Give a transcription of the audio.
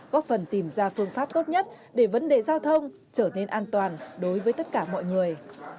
góp phần tìm ra phương pháp tốt nhất để vấn đề giao thông trở nên an toàn đối với tất cả mọi người